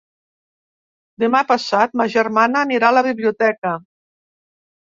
Demà passat ma germana anirà a la biblioteca.